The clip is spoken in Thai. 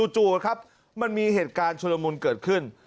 จู่ครับมันมีเหตุการณ์ชุลมุนเกิดขึ้น